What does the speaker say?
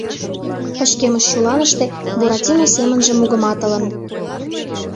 Пычкемыш чуланыште Буратино семынже мугыматылын: